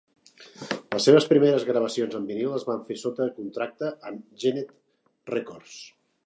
Les seves primeres gravacions en vinil es van fer sota contracte amb Gennett Records.